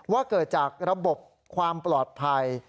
ว่าเกิดจากระบบความปลอดภัย